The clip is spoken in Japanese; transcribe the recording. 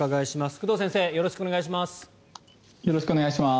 工藤先生よろしくお願いします。